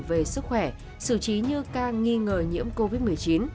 về sức khỏe xử trí như ca nghi ngờ nhiễm covid một mươi chín